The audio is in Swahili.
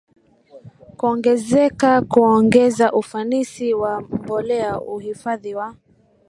kuongezeka kuongeza ufanisi wa mbolea uhifadhi wa